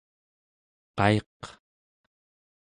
qaiq